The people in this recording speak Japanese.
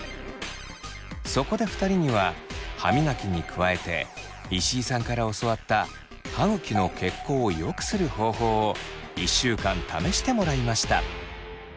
そこで２人には歯みがきに加えて石井さんから教わった歯ぐきの血行を良くする方法を１週間試してもらいました。